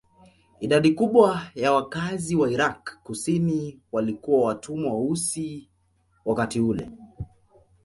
Idadi kubwa ya wakazi wa Irak kusini walikuwa watumwa weusi wakati ule.